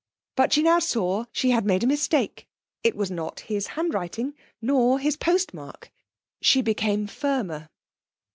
But she now saw she had made a mistake: it was not his handwriting nor his postmark. She became firmer.